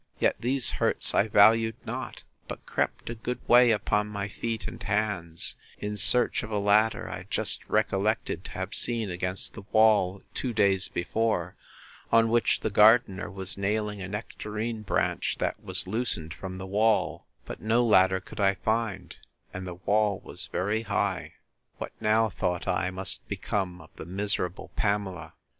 Yet these hurts I valued not; but crept a good way upon my feet and hands, in search of a ladder, I just recollected to have seen against the wall two days before, on which the gardener was nailing a nectarine branch that was loosened from the wall: but no ladder could I find, and the wall was very high. What now, thought I, must become of the miserable Pamela!